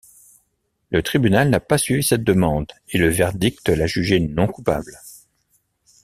Le tribunal n'a pas suivi cette demande et le verdict l'a jugé non coupable.